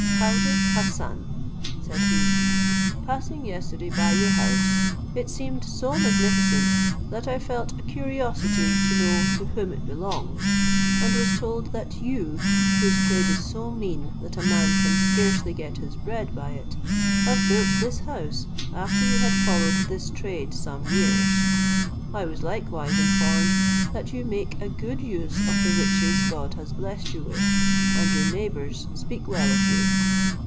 "Khaujeh Hassan," said he, "passing yesterday by your house, it seemed so magnificent that I felt a curiosity to know to whom it belonged, and was told that you, whose trade is so mean that a man can scarcely get his bread by it, have built this house after you had followed this trade some years. I was likewise informed that you make a good use of the riches God has blessed you with, and your neighbours speak well of you.